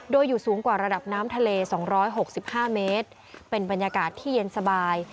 โดยอยู่สูงกว่าระดับน้ำทะเลสองร้อยหกสิบห้าเมตรเป็นบรรยากาศที่เย็นสบาย